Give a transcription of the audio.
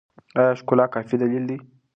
ایا ښکلا کافي دلیل دی؟